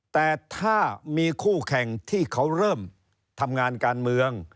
แต่ถ้ามีคู่แข่งที่เขาเริ่มทำงานการเมือง